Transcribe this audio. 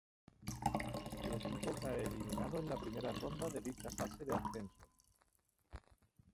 Su equipo cae eliminado en la primera ronda de dicha fase de ascenso.